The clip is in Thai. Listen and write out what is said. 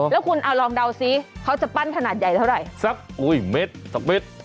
แล้วคุณเอาลองเดาซิเขาจะปั้นขนาดใหญ่เท่าไหร่สักอุ้ยเม็ดสักเม็ด